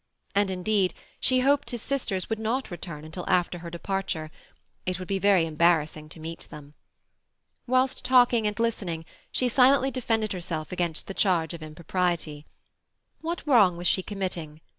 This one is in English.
And indeed she hoped that his sisters would not return until after her departure; it would be very embarrassing to meet them. Whilst talking and listening, she silently defended herself against the charge of impropriety. What wrong was she committing?